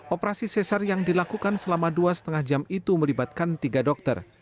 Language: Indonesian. operasi sesar yang dilakukan selama dua lima jam itu melibatkan tiga dokter